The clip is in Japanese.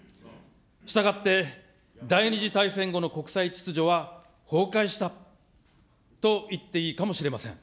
したがって第２次大戦後の国際秩序は崩壊したといっていいかもしれません。